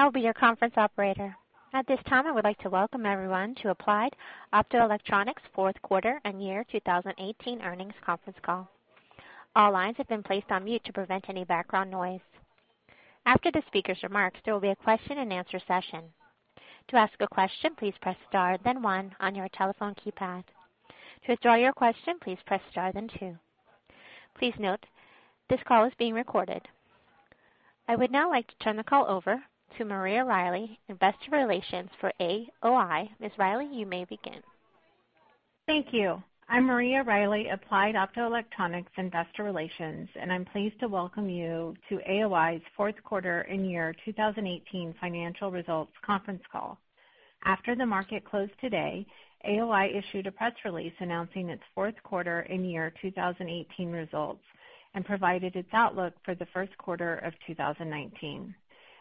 I will be your conference operator. At this time, I would like to welcome everyone to Applied Optoelectronics fourth quarter and year 2018 earnings conference call. All lines have been placed on mute to prevent any background noise. After the speaker's remarks, there will be a question and answer session. To ask a question, please press star then one on your telephone keypad. To withdraw your question, please press star then two. Please note, this call is being recorded. I would now like to turn the call over to Maria Riley, Investor Relations for AOI. Ms. Riley, you may begin. Thank you. I'm Maria Riley, Applied Optoelectronics investor relations, and I'm pleased to welcome you to AOI's fourth quarter and year 2018 financial results conference call. After the market closed today, AOI issued a press release announcing its fourth quarter and year 2018 results, provided its outlook for the first quarter of 2019.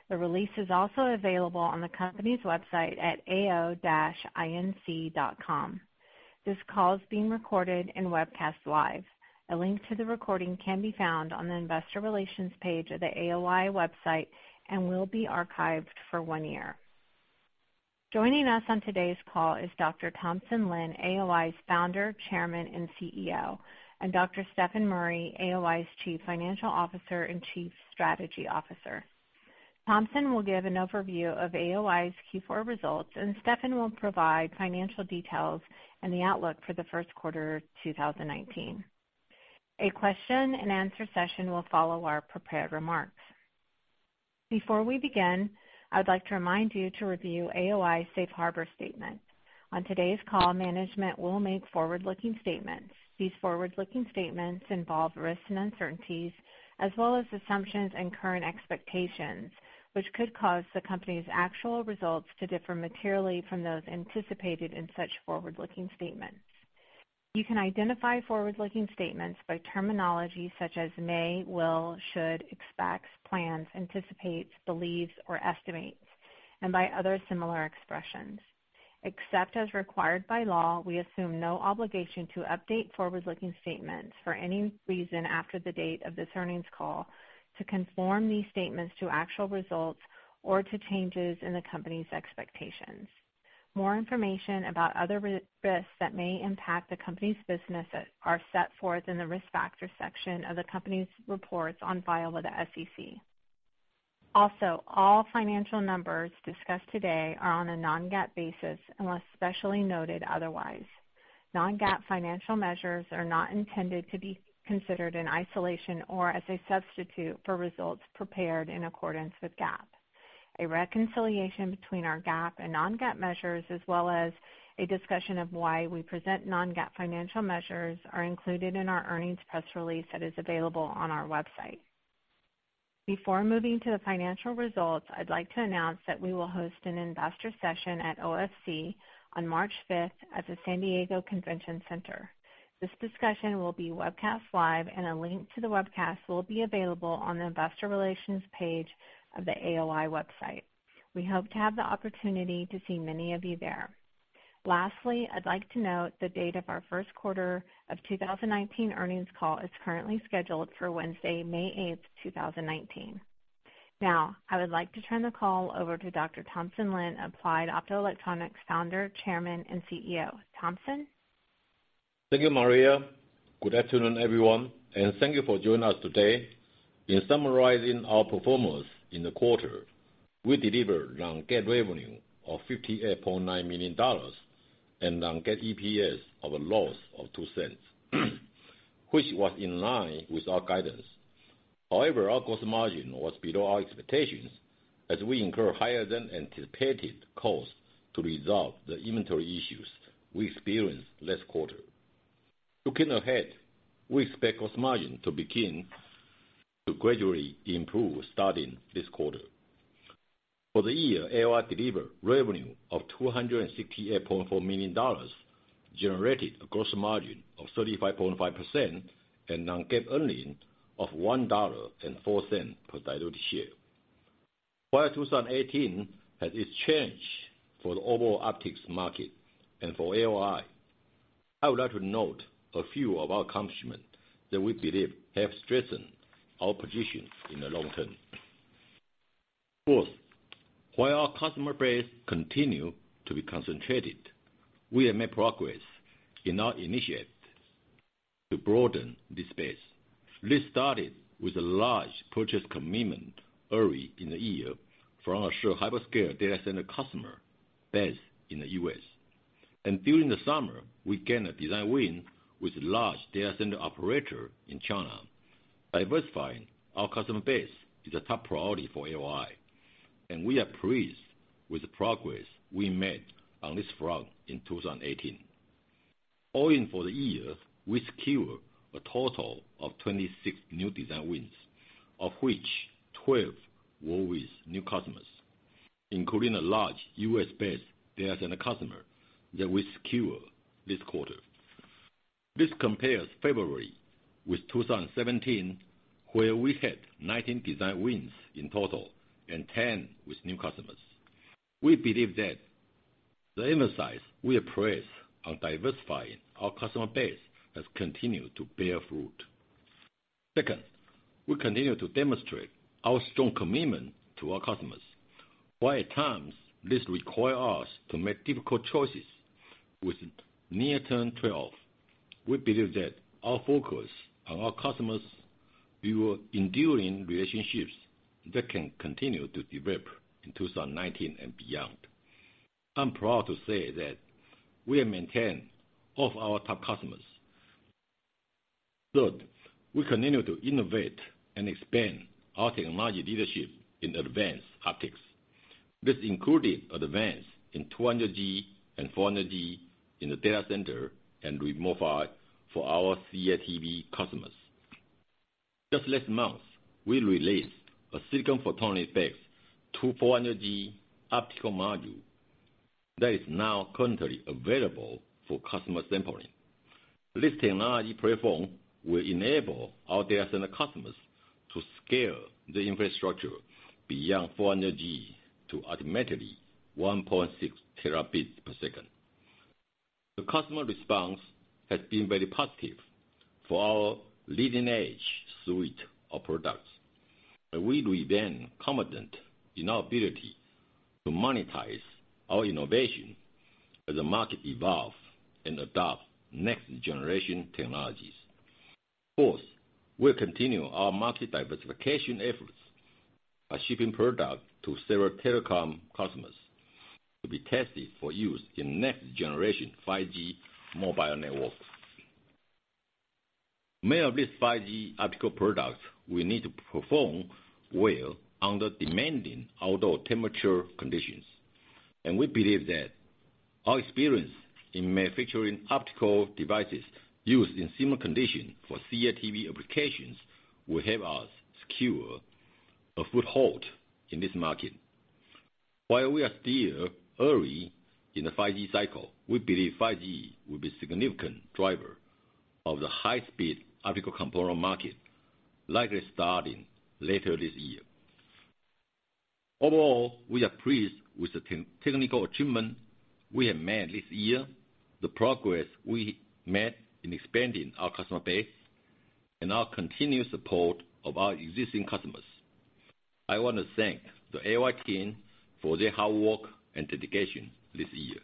The release is also available on the company's website at ao-inc.com. This call is being recorded and webcast live. A link to the recording can be found on the investor relations page of the AOI website and will be archived for one year. Joining us on today's call is Dr. Thompson Lin, AOI's Founder, Chairman, and CEO, and Dr. Stefan Murry, AOI's Chief Financial Officer and Chief Strategy Officer. Thompson will give an overview of AOI's Q4 results. Stefan will provide financial details and the outlook for the first quarter 2019. A question and answer session will follow our prepared remarks. Before we begin, I would like to remind you to review AOI's Safe Harbor statement. On today's call, management will make forward-looking statements. These forward-looking statements involve risks and uncertainties, as well as assumptions and current expectations, which could cause the company's actual results to differ materially from those anticipated in such forward-looking statements. You can identify forward-looking statements by terminology such as may, will, should, expects, plans, anticipates, believes, or estimates, by other similar expressions. Except as required by law, we assume no obligation to update forward-looking statements for any reason after the date of this earnings call to conform these statements to actual results or to changes in the company's expectations. More information about other risks that may impact the company's businesses are set forth in the Risk Factors section of the company's reports on file with the SEC. All financial numbers discussed today are on a non-GAAP basis, unless specially noted otherwise. Non-GAAP financial measures are not intended to be considered in isolation or as a substitute for results prepared in accordance with GAAP. A reconciliation between our GAAP and non-GAAP measures, as well as a discussion of why we present non-GAAP financial measures, are included in our earnings press release that is available on our website. Before moving to the financial results, I'd like to announce that we will host an investor session at OFC on March fifth at the San Diego Convention Center. This discussion will be webcast live. A link to the webcast will be available on the investor relations page of the AOI website. We hope to have the opportunity to see many of you there. Lastly, I'd like to note the date of our first quarter of 2019 earnings call is currently scheduled for Wednesday, May 8, 2019. I would like to turn the call over to Dr. Thompson Lin, Applied Optoelectronics Founder, Chairman, and CEO. Thompson? Thank you, Maria. Good afternoon, everyone, and thank you for joining us today. In summarizing our performance in the quarter, we delivered non-GAAP revenue of $58.9 million and non-GAAP EPS of a loss of $0.02, which was in line with our guidance. Our gross margin was below our expectations as we incurred higher than anticipated costs to resolve the inventory issues we experienced last quarter. Looking ahead, we expect gross margin to begin to gradually improve starting this quarter. For the year, AOI delivered revenue of $268.4 million, generated a gross margin of 35.5%, and non-GAAP earnings of $1.04 per diluted share. While 2018 had its challenges for the overall optics market and for AOI, I would like to note a few of our accomplishments that we believe have strengthened our position in the long term. First, while our customer base continue to be concentrated, we have made progress in our initiatives to broaden this base. This started with a large purchase commitment early in the year from a new hyperscale data center customer based in the U.S., and during the summer, we gained a design win with a large data center operator in China. Diversifying our customer base is a top priority for AOI, and we are pleased with the progress we made on this front in 2018. All in for the year, we secured a total of 26 new design wins, of which 12 were with new customers, including a large U.S.-based data center customer that we secured this quarter. This compares favorably with 2017, where we had 19 design wins in total and 10 with new customers. We believe that the emphasis we have placed on diversifying our customer base has continued to bear fruit. Second, we continue to demonstrate our strong commitment to our customers. While at times this requires us to make difficult choices with near-term trade-off, we believe that our focus on our customers build enduring relationships that can continue to develop in 2019 and beyond. I'm proud to say that we have maintained all of our top customers. Third, we continue to innovate and expand our technology leadership in advanced optics. This included advance in 200G and 400G in the data center and with mobile for our CATV customers. Just last month, we released a silicon photonic-based 400G optical module that is now currently available for customer sampling. This technology platform will enable our data center customers to scale the infrastructure beyond 400G to ultimately 1.6 Tb per second. The customer response has been very positive for our leading-edge suite of products, we remain confident in our ability to monetize our innovation as the market evolves and adopts next-generation technologies. Fourth, we'll continue our market diversification efforts by shipping product to several telecom customers to be tested for use in next-generation 5G mobile networks. Many of these 5G optical products will need to perform well under demanding outdoor temperature conditions, we believe that our experience in manufacturing optical devices used in similar conditions for CATV applications will help us secure a foothold in this market. While we are still early in the 5G cycle, we believe 5G will be a significant driver of the high-speed optical component market, likely starting later this year. Overall, we are pleased with the technical achievement we have made this year, the progress we made in expanding our customer base, and our continued support of our existing customers. I want to thank the AOI team for their hard work and dedication this year.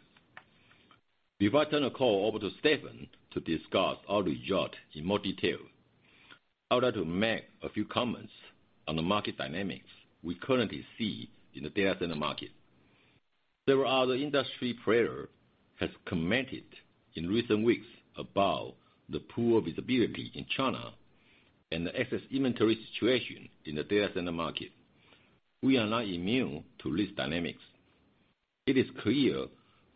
Before I turn the call over to Stefan to discuss our results in more detail, I'd like to make a few comments on the market dynamics we currently see in the data center market. Several other industry players have commented in recent weeks about the poor visibility in China and the excess inventory situation in the data center market. We are not immune to these dynamics. It is clear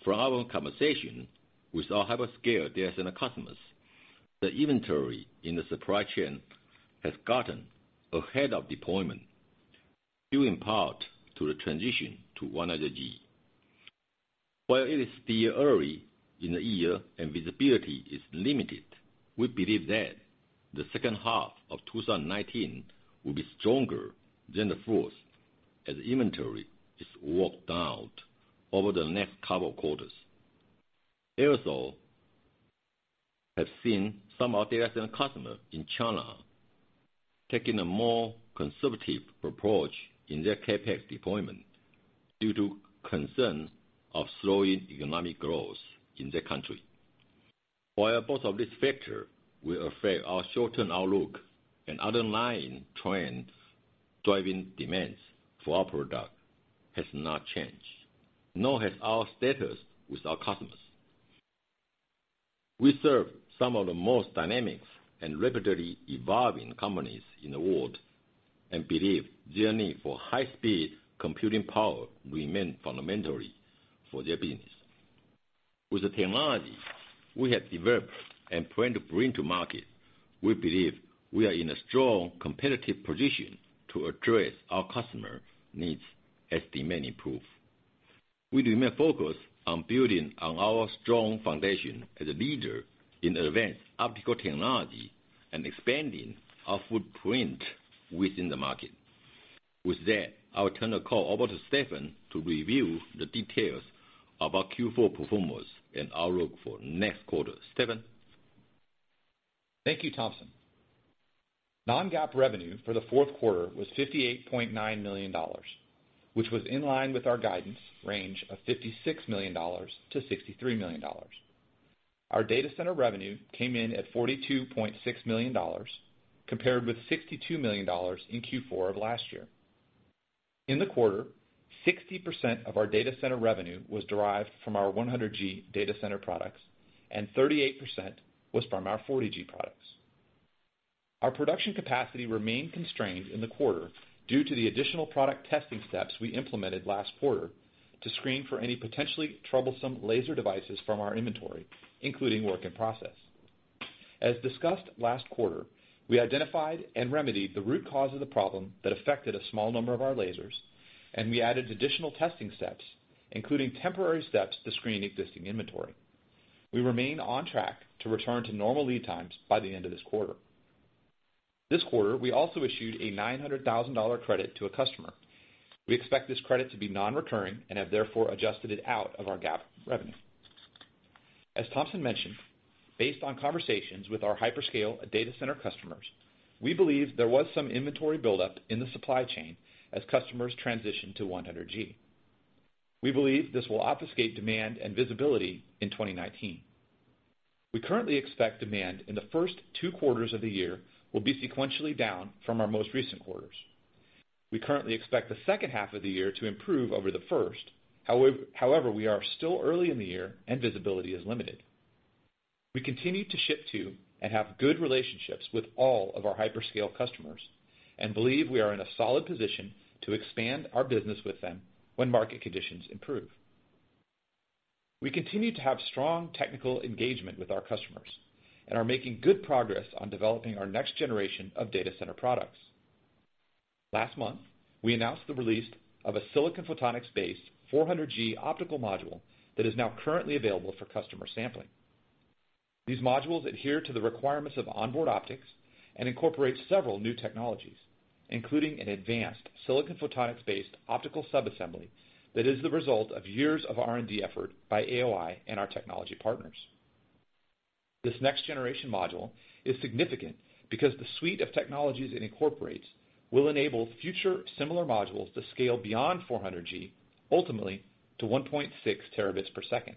from our conversation with our hyperscale data center customers that inventory in the supply chain has gotten ahead of deployment, due in part to the transition to 100G. While it is still early in the year and visibility is limited, we believe that the second half of 2019 will be stronger than the first as inventory is worked out over the next couple of quarters. Also, we have seen some of our data center customers in China taking a more conservative approach in their CapEx deployment due to concern of slowing economic growth in their country. While both of these factors will affect our short-term outlook, an underlying trend driving demands for our product has not changed, nor has our status with our customers. We serve some of the most dynamic and rapidly evolving companies in the world, and believe their need for high-speed computing power remains fundamental for their business. With the technology we have developed and plan to bring to market, we believe we are in a strong competitive position to address our customer needs as demand improves. We remain focused on building on our strong foundation as a leader in advanced optical technology and expanding our footprint within the market. With that, I will turn the call over to Stefan to review the details of our Q4 performance and outlook for next quarter. Stefan? Thank you, Thompson. Non-GAAP revenue for the fourth quarter was $58.9 million, which was in line with our guidance range of $56 million to $63 million. Our data center revenue came in at $42.6 million, compared with $62 million in Q4 of last year. In the quarter, 60% of our data center revenue was derived from our 100G data center products, and 38% was from our 40G products. Our production capacity remained constrained in the quarter due to the additional product testing steps we implemented last quarter to screen for any potentially troublesome laser devices from our inventory, including work in process. As discussed last quarter, we identified and remedied the root cause of the problem that affected a small number of our lasers, and we added additional testing steps, including temporary steps to screen existing inventory. We remain on track to return to normal lead times by the end of this quarter. This quarter, we also issued a $900,000 credit to a customer. We expect this credit to be non-recurring and have therefore adjusted it out of our GAAP revenue. As Thompson mentioned, based on conversations with our hyperscale data center customers, we believe there was some inventory buildup in the supply chain as customers transitioned to 100G. We believe this will obfuscate demand and visibility in 2019. We currently expect demand in the first two quarters of the year will be sequentially down from our most recent quarters. We currently expect the second half of the year to improve over the first. We are still early in the year and visibility is limited. We continue to ship to and have good relationships with all of our hyperscale customers, and believe we are in a solid position to expand our business with them when market conditions improve. We continue to have strong technical engagement with our customers and are making good progress on developing our next generation of data center products. Last month, we announced the release of a silicon photonics-based 400G optical module that is now currently available for customer sampling. These modules adhere to the requirements of on-board optics and incorporate several new technologies, including an advanced silicon photonics-based Optical Sub-Assembly that is the result of years of R&D effort by AOI and our technology partners. This next-generation module is significant because the suite of technologies it incorporates will enable future similar modules to scale beyond 400G, ultimately to 1.6 Tb per second,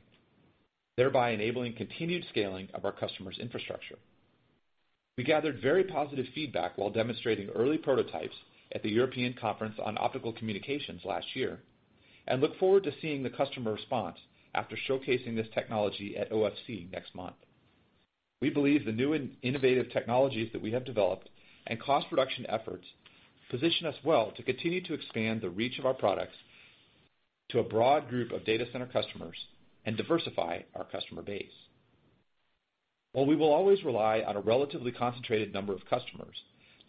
thereby enabling continued scaling of our customers' infrastructure. We gathered very positive feedback while demonstrating early prototypes at the European Conference on Optical Communication last year, and look forward to seeing the customer response after showcasing this technology at OFC next month. We believe the new and innovative technologies that we have developed and cost reduction efforts position us well to continue to expand the reach of our products to a broad group of data center customers and diversify our customer base. While we will always rely on a relatively concentrated number of customers,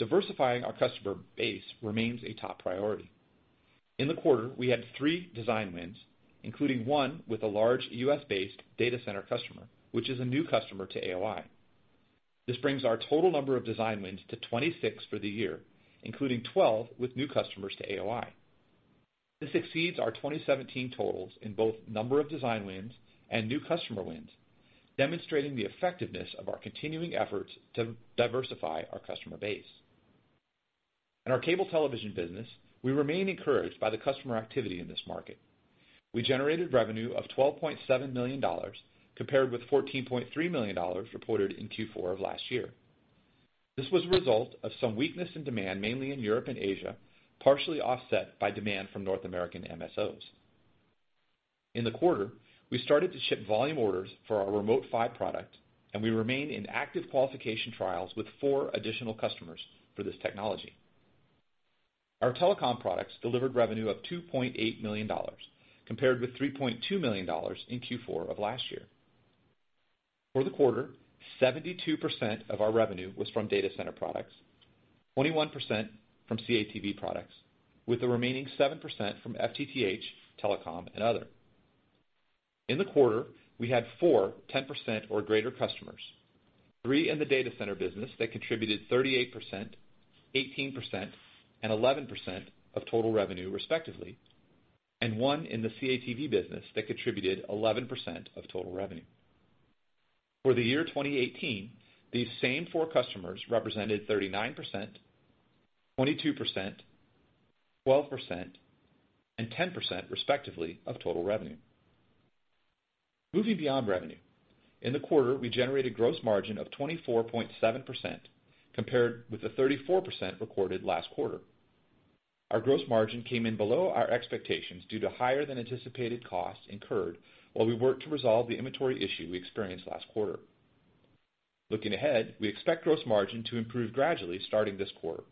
diversifying our customer base remains a top priority. In the quarter, we had three design wins, including one with a large U.S.-based data center customer, which is a new customer to AOI. This brings our total number of design wins to 26 for the year, including 12 with new customers to AOI. This exceeds our 2017 totals in both number of design wins and new customer wins, demonstrating the effectiveness of our continuing efforts to diversify our customer base. In our CATV business, we remain encouraged by the customer activity in this market. We generated revenue of $12.7 million, compared with $14.3 million reported in Q4 of last year. This was a result of some weakness in demand, mainly in Europe and Asia, partially offset by demand from North American MSO. In the quarter, we started to ship volume orders for our Remote PHY product, and we remain in active qualification trials with four additional customers for this technology. Our telecom products delivered revenue of $2.8 million, compared with $3.2 million in Q4 of last year. For the quarter, 72% of our revenue was from data center products, 21% from CATV products, with the remaining 7% from FTTH, telecom, and other. In the quarter, we had four 10% or greater customers, three in the data center business that contributed 38%, 18% and 11% of total revenue respectively, and one in the CATV business that contributed 11% of total revenue. For the year 2018, these same four customers represented 39%, 22%, 12% and 10%, respectively, of total revenue. Moving beyond revenue, in the quarter, we generated gross margin of 24.7%, compared with the 34% recorded last quarter. Our gross margin came in below our expectations due to higher-than-anticipated costs incurred while we worked to resolve the inventory issue we experienced last quarter. Looking ahead, we expect gross margin to improve gradually starting this quarter.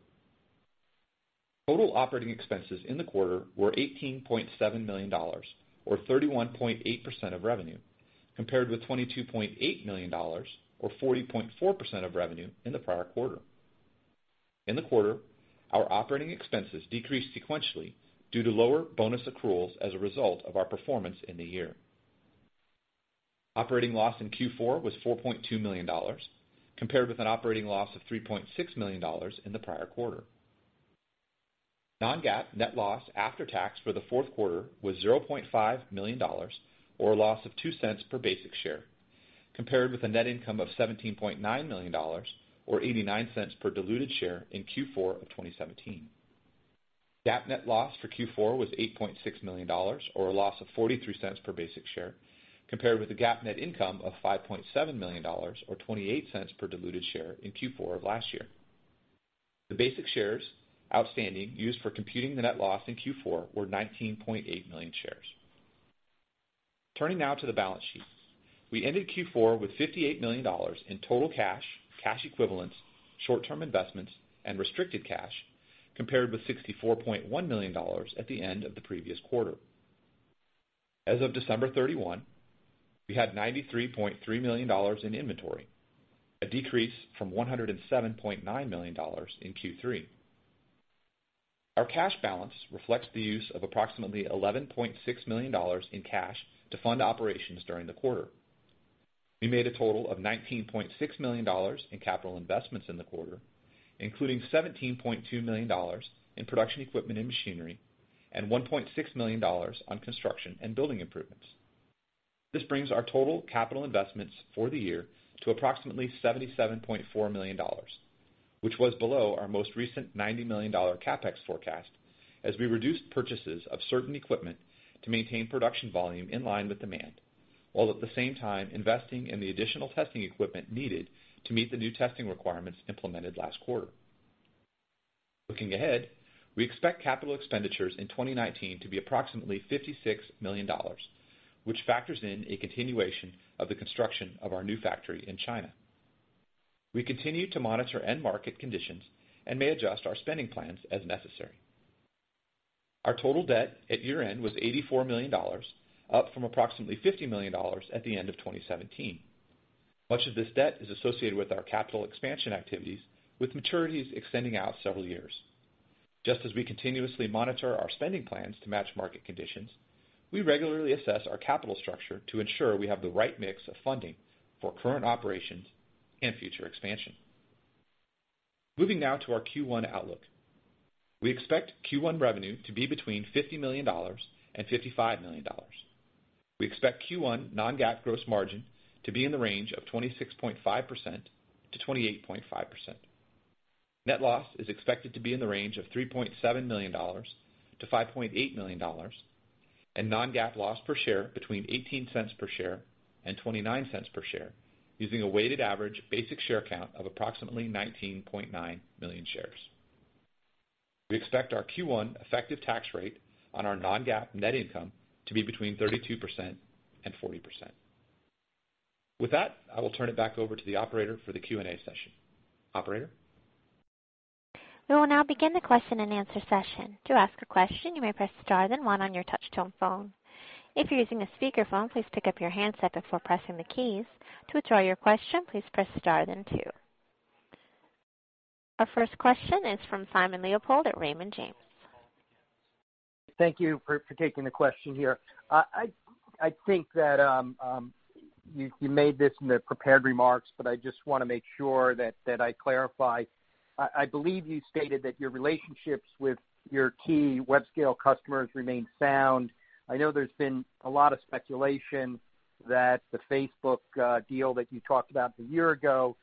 Total operating expenses in the quarter were $18.7 million, or 31.8% of revenue, compared with $22.8 million or 40.4% of revenue in the prior quarter. In the quarter, our operating expenses decreased sequentially due to lower bonus accruals as a result of our performance in the year. Operating loss in Q4 was $4.2 million, compared with an operating loss of $3.6 million in the prior quarter. non-GAAP net loss after tax for the fourth quarter was $0.5 million, or a loss of $0.02 per basic share, compared with a net income of $17.9 million or $0.89 per diluted share in Q4 of 2017. GAAP net loss for Q4 was $8.6 million, or a loss of $0.43 per basic share, compared with a GAAP net income of $5.7 million, or $0.28 per diluted share in Q4 of last year. The basic shares outstanding used for computing the net loss in Q4 were 19.8 million shares. Turning now to the balance sheet. We ended Q4 with $58 million in total cash equivalents, short-term investments, and restricted cash, compared with $64.1 million at the end of the previous quarter. As of December 31, we had $93.3 million in inventory, a decrease from $107.9 million in Q3. Our cash balance reflects the use of approximately $11.6 million in cash to fund operations during the quarter. We made a total of $19.6 million in capital investments in the quarter, including $17.2 million in production equipment and machinery and $1.6 million on construction and building improvements. This brings our total capital investments for the year to approximately $77.4 million, which was below our most recent $90 million CapEx forecast as we reduced purchases of certain equipment to maintain production volume in line with demand, while at the same time, investing in the additional testing equipment needed to meet the new testing requirements implemented last quarter. Looking ahead, we expect capital expenditures in 2019 to be approximately $56 million, which factors in a continuation of the construction of our new factory in China. We continue to monitor end market conditions and may adjust our spending plans as necessary. Our total debt at year-end was $84 million, up from approximately $50 million at the end of 2017. Much of this debt is associated with our capital expansion activities, with maturities extending out several years. Just as we continuously monitor our spending plans to match market conditions, we regularly assess our capital structure to ensure we have the right mix of funding for current operations and future expansion. Moving now to our Q1 outlook. We expect Q1 revenue to be between $50 million and $55 million. We expect Q1 non-GAAP gross margin to be in the range of 26.5%-28.5%. Net loss is expected to be in the range of $3.7 million to $5.8 million, and non-GAAP loss per share between $0.18 per share and $0.29 per share, using a weighted average basic share count of approximately 19.9 million shares. We expect our Q1 effective tax rate on our non-GAAP net income to be between 32% and 40%. With that, I will turn it back over to the operator for the Q&A session. Operator? We will now begin the question and answer session. To ask a question, you may press star then one on your touch tone phone. If you're using a speakerphone, please pick up your handset before pressing the keys. To withdraw your question, please press star then two. Our first question is from Simon Leopold at Raymond James. Thank you for taking the question here. I think that you made this in the prepared remarks, but I just want to make sure that I clarify. I believe you stated that your relationships with your key web scale customers remain sound. I know there's been a lot of speculation that the Facebook deal that you talked about a year ago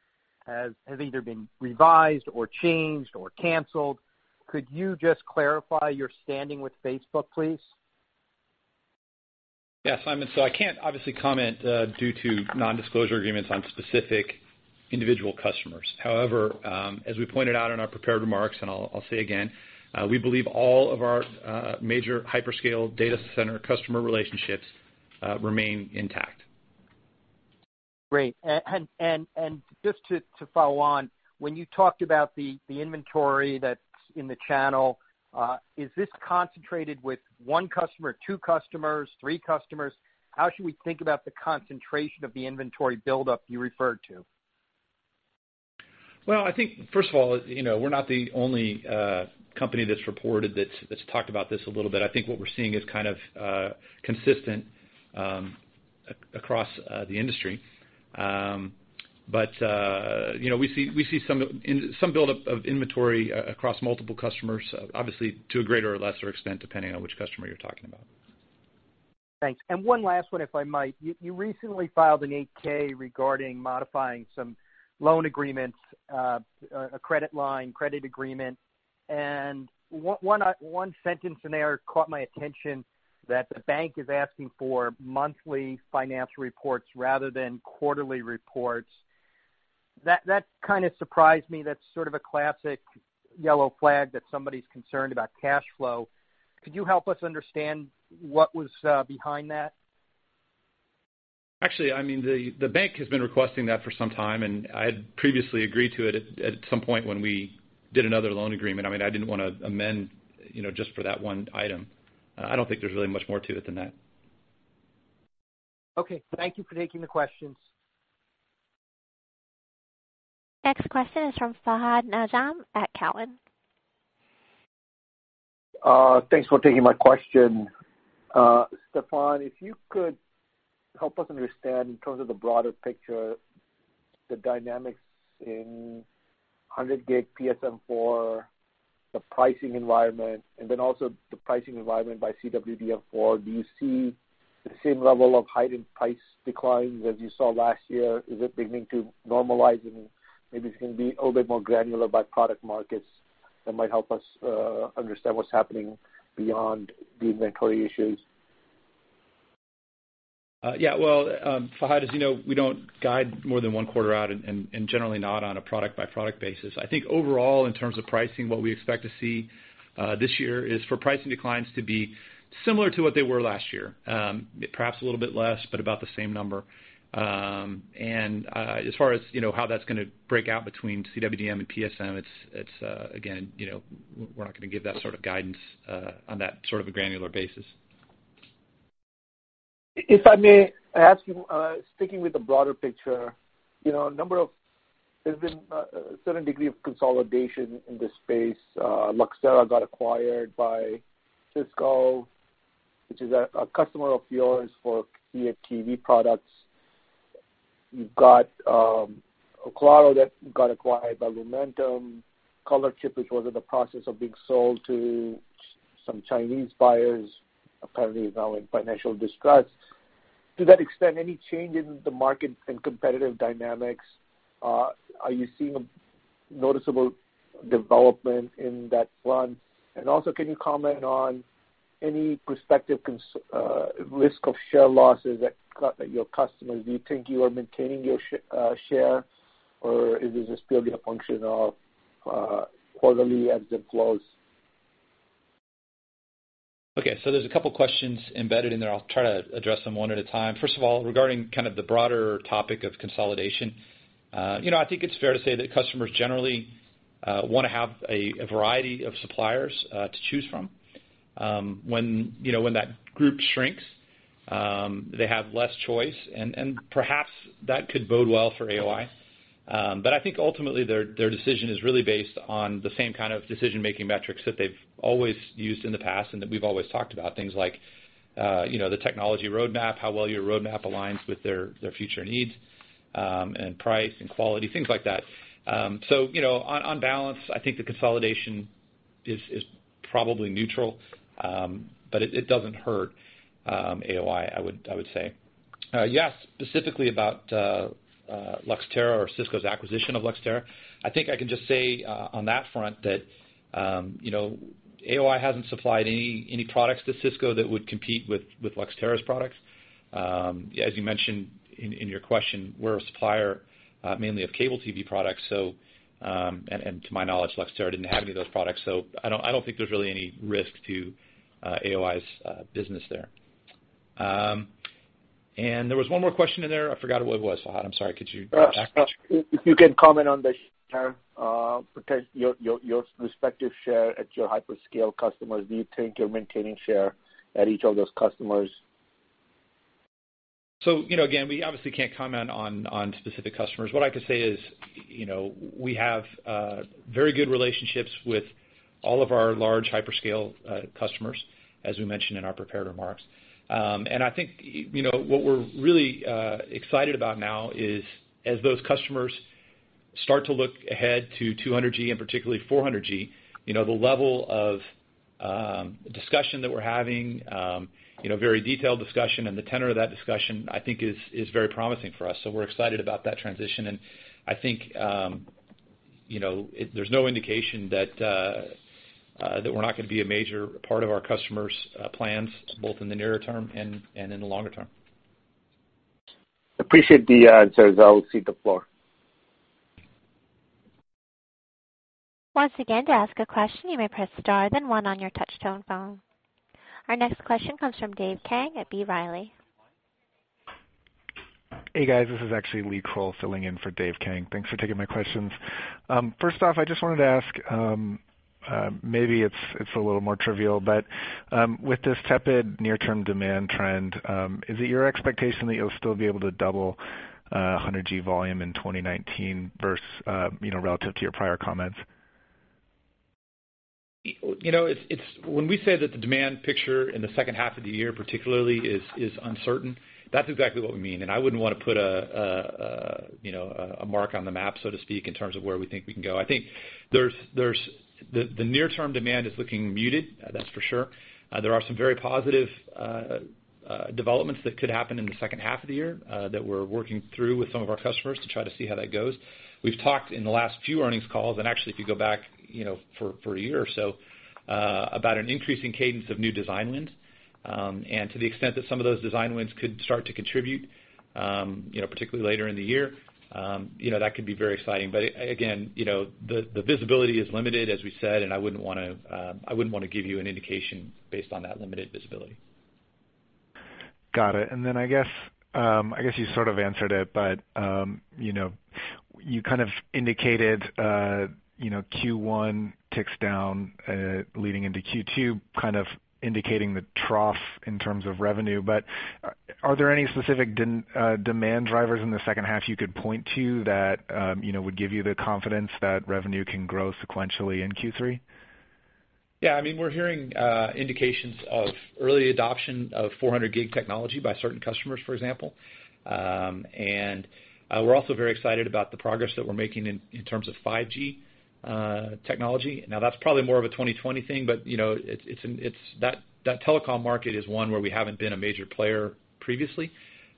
has either been revised or changed or canceled. Could you just clarify your standing with Facebook, please? Yeah, Simon. I can't obviously comment, due to non-disclosure agreements on specific individual customers. However, as we pointed out in our prepared remarks, and I'll say again, we believe all of our major hyperscale data center customer relationships remain intact. Great. Just to follow on, when you talked about the inventory that's in the channel, is this concentrated with one customer, two customers, three customers? How should we think about the concentration of the inventory buildup you referred to? Well, I think first of all, we're not the only company that's reported that's talked about this a little bit. I think what we're seeing is kind of consistent across the industry. We see some buildup of inventory across multiple customers, obviously to a greater or lesser extent, depending on which customer you're talking about. Thanks. One last one, if I might. You recently filed an 8-K regarding modifying some loan agreements, a credit line, credit agreement, and one sentence in there caught my attention that the bank is asking for monthly financial reports rather than quarterly reports. That kind of surprised me. That's sort of a classic yellow flag that somebody's concerned about cash flow. Could you help us understand what was behind that? Actually, the bank has been requesting that for some time, and I had previously agreed to it at some point when we did another loan agreement. I didn't want to amend just for that one item. I don't think there's really much more to it than that. Okay. Thank you for taking the questions. Next question is from Fahad Najam at Cowen. Thanks for taking my question. Stefan, if you could help us understand in terms of the broader picture, the dynamics in 100G PSM4, the pricing environment, and then also the pricing environment by CWDM4. Do you see the same level of heightened price declines as you saw last year? Is it beginning to normalize? Maybe if you can be a little bit more granular by product markets, that might help us understand what's happening beyond the inventory issues. Well, Fahad, as you know, we don't guide more than one quarter out and generally not on a product-by-product basis. I think overall, in terms of pricing, what we expect to see this year is for pricing declines to be similar to what they were last year. Perhaps a little bit less, but about the same number. As far as how that's going to break out between CWDM and PSM, again, we're not going to give that sort of guidance on that sort of a granular basis. If I may ask you, sticking with the broader picture, there's been a certain degree of consolidation in this space. Luxtera got acquired by Cisco. Which is a customer of yours for CATV products. You've got Oclaro that got acquired by Lumentum, ColorChip, which was in the process of being sold to some Chinese buyers, apparently now in financial distress. To that extent, any change in the market and competitive dynamics? Are you seeing a noticeable development in that front? Also, can you comment on any prospective risk of share losses at your customers? Do you think you are maintaining your share, or is this still going to function off quarterly ebbs and flows? Okay. There's a couple questions embedded in there. I'll try to address them one at a time. First of all, regarding the broader topic of consolidation. I think it's fair to say that customers generally want to have a variety of suppliers to choose from. When that group shrinks, they have less choice and perhaps that could bode well for AOI. I think ultimately their decision is really based on the same kind of decision-making metrics that they've always used in the past and that we've always talked about. Things like the technology roadmap, how well your roadmap aligns with their future needs, and price and quality, things like that. On balance, I think the consolidation is probably neutral, but it doesn't hurt AOI, I would say. You asked specifically about Luxtera or Cisco's acquisition of Luxtera. I think I can just say, on that front that AOI hasn't supplied any products to Cisco that would compete with Luxtera's products. As you mentioned in your question, we're a supplier mainly of cable TV products, and to my knowledge, Luxtera didn't have any of those products. I don't think there's really any risk to AOI's business there. There was one more question in there. I forgot what it was, Fahad. I'm sorry. Could you back up? If you can comment on the share, your respective share at your hyperscale customers. Do you think you're maintaining share at each of those customers? Again, we obviously can't comment on specific customers. What I can say is we have very good relationships with all of our large hyperscale customers, as we mentioned in our prepared remarks. I think what we're really excited about now is as those customers start to look ahead to 200G and particularly 400G, the level of discussion that we're having, very detailed discussion and the tenor of that discussion, I think is very promising for us. We're excited about that transition, and I think there's no indication that we're not going to be a major part of our customers' plans, both in the nearer term and in the longer term. Appreciate the answers. I'll cede the floor. Once again, to ask a question, you may press star, then one on your touch-tone phone. Our next question comes from Dave Kang at B. Riley. Hey, guys. This is actually Lee Krowl filling in for Dave Kang. Thanks for taking my questions. First off, I just wanted to ask, maybe it's a little more trivial, but with this tepid near-term demand trend, is it your expectation that you'll still be able to double 100G volume in 2019 versus relative to your prior comments? When we say that the demand picture in the second half of the year particularly is uncertain, that's exactly what we mean. I wouldn't want to put a mark on the map, so to speak, in terms of where we think we can go. I think the near-term demand is looking muted, that's for sure. There are some very positive developments that could happen in the second half of the year that we're working through with some of our customers to try to see how that goes. We've talked in the last few earnings calls, and actually if you go back for a year or so, about an increasing cadence of new design wins. To the extent that some of those design wins could start to contribute, particularly later in the year, that could be very exciting. Again, the visibility is limited, as we said, I wouldn't want to give you an indication based on that limited visibility. Got it. Then I guess you sort of answered it, you kind of indicated Q1 ticks down leading into Q2, kind of indicating the trough in terms of revenue. Are there any specific demand drivers in the second half you could point to that would give you the confidence that revenue can grow sequentially in Q3? Yeah. We're hearing indications of early adoption of 400G technology by certain customers, for example. We're also very excited about the progress that we're making in terms of 5G technology. That's probably more of a 2020 thing, but that telecom market is one where we haven't been a major player previously.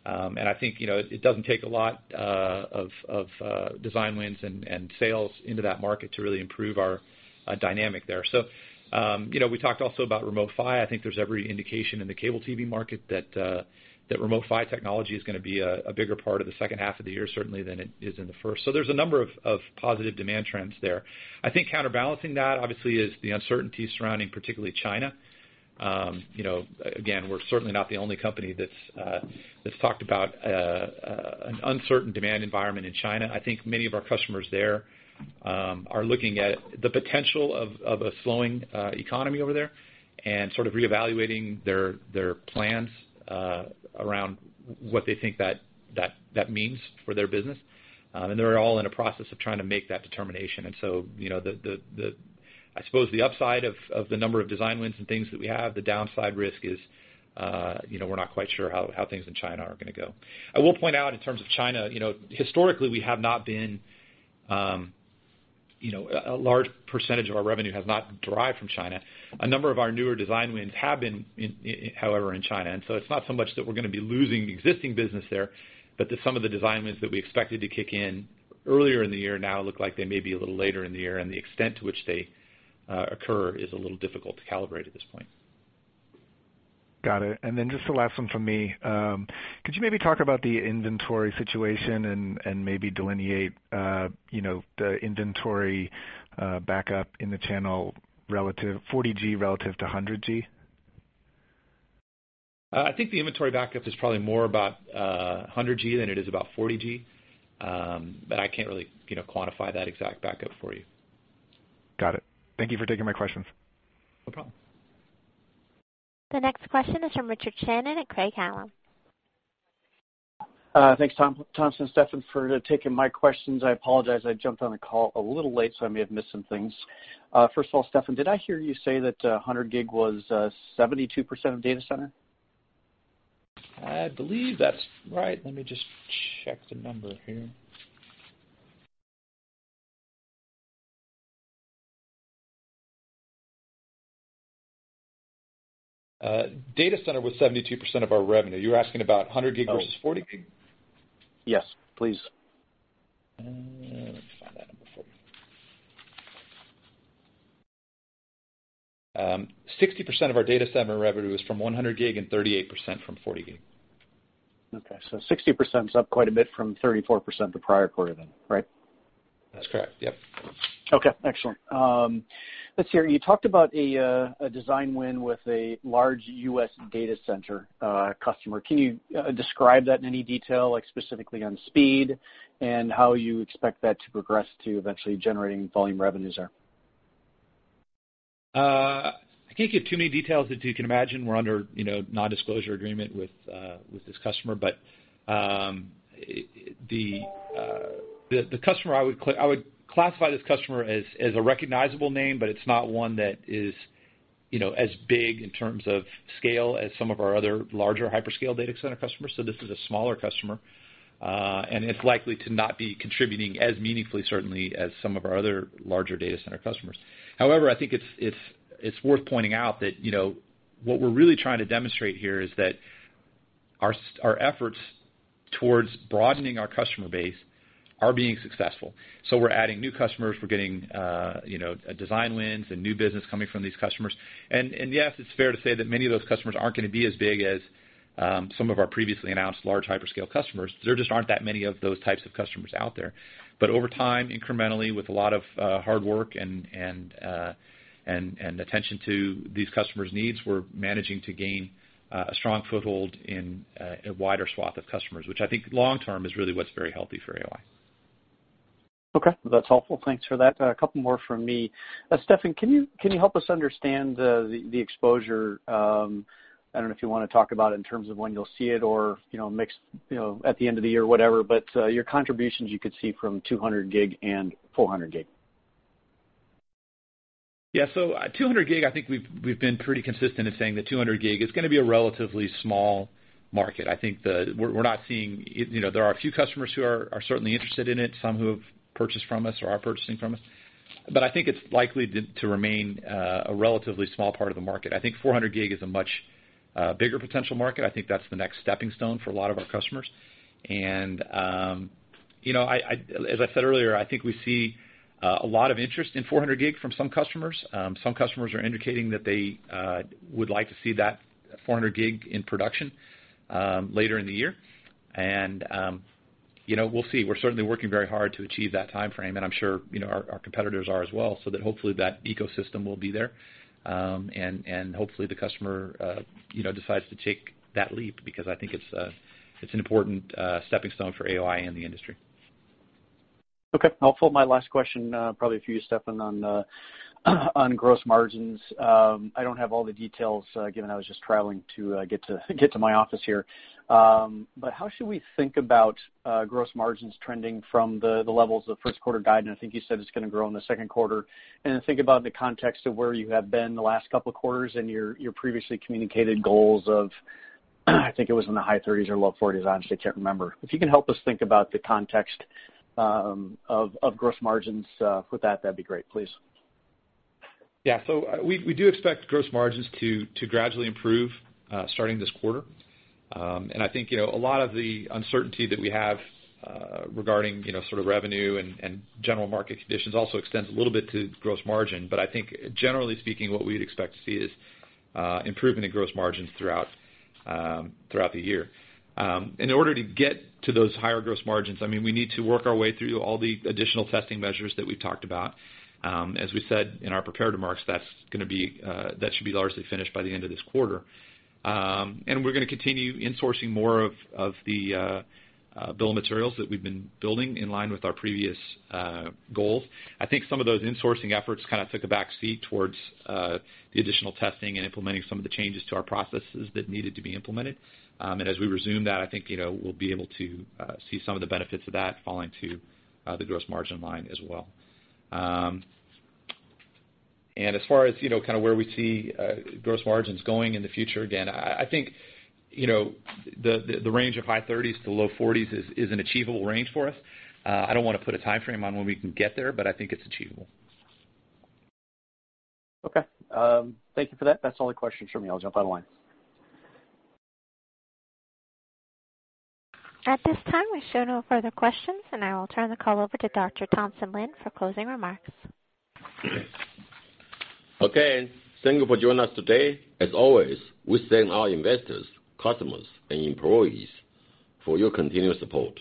I think it doesn't take a lot of design wins and sales into that market to really improve our dynamic there. We talked also about Remote PHY. I think there's every indication in the CATV market that Remote PHY technology is going to be a bigger part of the second half of the year, certainly than it is in the first. There's a number of positive demand trends there. I think counterbalancing that obviously is the uncertainty surrounding particularly China. Again, we're certainly not the only company that's talked about an uncertain demand environment in China. I think many of our customers there are looking at the potential of a slowing economy over there and sort of reevaluating their plans around what they think that means for their business. They're all in a process of trying to make that determination. I suppose the upside of the number of design wins and things that we have, the downside risk is we're not quite sure how things in China are going to go. I will point out in terms of China, historically a large percentage of our revenue has not derived from China. A number of our newer design wins have been, however, in China, so it's not so much that we're going to be losing the existing business there, but that some of the design wins that we expected to kick in earlier in the year now look like they may be a little later in the year, and the extent to which they occur is a little difficult to calibrate at this point. Got it. Just the last one from me. Could you maybe talk about the inventory situation and maybe delineate the inventory backup in the channel, 40G relative to 100G? I think the inventory backup is probably more about 100G than it is about 40G. I can't really quantify that exact backup for you. Got it. Thank you for taking my questions. No problem. The next question is from Richard Shannon at Craig-Hallum. Thanks, Tom, Thompson, Stefan, for taking my questions. I apologize, I jumped on the call a little late, so I may have missed some things. First of all, Stefan, did I hear you say that 100 Gb was 72% of data center? I believe that's right. Let me just check the number here. Data center was 72% of our revenue. You were asking about 100 Gb versus 40 Gb? Yes, please. Let me find that number for you. 60% of our data center revenue is from 100 Gb and 38% from 40 Gb. Okay, 60% is up quite a bit from 34% the prior quarter then, right? That's correct. Yep. Okay, excellent. Let's see. You talked about a design win with a large U.S. data center customer. Can you describe that in any detail, like specifically on speed and how you expect that to progress to eventually generating volume revenues there? I can't give too many details. As you can imagine, we're under nondisclosure agreement with this customer. I would classify this customer as a recognizable name, it's not one that is as big in terms of scale as some of our other larger hyperscale data center customers. This is a smaller customer. It's likely to not be contributing as meaningfully, certainly, as some of our other larger data center customers. However, I think it's worth pointing out that what we're really trying to demonstrate here is that our efforts towards broadening our customer base are being successful. We're adding new customers, we're getting design wins and new business coming from these customers. Yes, it's fair to say that many of those customers aren't going to be as big as some of our previously announced large hyperscale customers. There just aren't that many of those types of customers out there. Over time, incrementally, with a lot of hard work and attention to these customers' needs, we're managing to gain a strong foothold in a wider swath of customers, which I think long-term is really what's very healthy for AOI. Okay. That's helpful. Thanks for that. A couple more from me. Stefan, can you help us understand the exposure, I don't know if you want to talk about it in terms of when you'll see it or mix at the end of the year, whatever, but your contributions you could see from 200 Gb and 400 Gb. Yeah. 200 Gb, I think we've been pretty consistent in saying that 200 Gb is going to be a relatively small market. There are a few customers who are certainly interested in it, some who have purchased from us or are purchasing from us. I think it's likely to remain a relatively small part of the market. I think 400 Gb is a much bigger potential market. I think that's the next stepping stone for a lot of our customers. As I said earlier, I think we see a lot of interest in 400 Gb from some customers. Some customers are indicating that they would like to see that 400 Gb in production later in the year. We'll see. We're certainly working very hard to achieve that timeframe, and I'm sure our competitors are as well, so that hopefully that ecosystem will be there. Hopefully the customer decides to take that leap because I think it's an important stepping stone for AOI and the industry. Okay. Helpful. My last question, probably for you, Stefan, on gross margins. I don't have all the details, given I was just traveling to get to my office here. How should we think about gross margins trending from the levels of first quarter guide? I think you said it's going to grow in the second quarter. Then think about the context of where you have been the last couple of quarters and your previously communicated goals of, I think it was in the high 30s or low 40s, honestly, I can't remember. If you can help us think about the context of gross margins with that'd be great, please. We do expect gross margins to gradually improve starting this quarter. I think a lot of the uncertainty that we have regarding sort of revenue and general market conditions also extends a little bit to gross margin. I think generally speaking, what we'd expect to see is improvement in gross margins throughout the year. In order to get to those higher gross margins, we need to work our way through all the additional testing measures that we've talked about. As we said in our prepared remarks, that should be largely finished by the end of this quarter. We're going to continue insourcing more of the bill of materials that we've been building in line with our previous goals. I think some of those insourcing efforts took a back seat towards the additional testing and implementing some of the changes to our processes that needed to be implemented. As we resume that, I think we'll be able to see some of the benefits of that falling to the gross margin line as well. As far as where we see gross margins going in the future, again, I think the range of high 30s to low 40s is an achievable range for us. I don't want to put a timeframe on when we can get there, but I think it's achievable. Okay. Thank you for that. That's all the questions from me. I'll jump out of line. At this time, we show no further questions. I will turn the call over to Dr. Thompson Lin for closing remarks. Okay. Thank you for joining us today. As always, we thank our investors, customers, and employees for your continuous support.